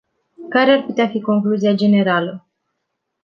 Care ar putea fi concluzia generală?